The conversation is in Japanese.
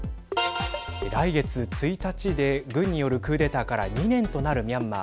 来月１日で軍によるクーデターから２年となるミャンマー。